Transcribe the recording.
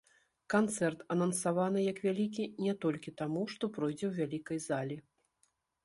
Канцэрт анансаваны як вялікі не толькі таму, што пройдзе ў вялікай залі.